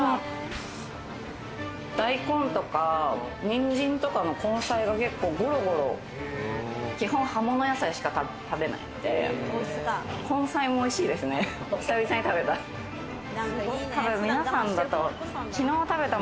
大根とかにんじんとかの根菜が結構ゴロゴロ、基本、葉物野菜しか食べないので、根菜もおいしいですね、久々に食べた。